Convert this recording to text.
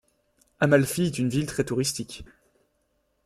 Amalfi est une ville très touristique.